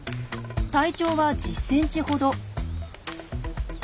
体長は１０センチほど。